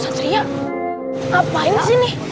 satria ngapain disini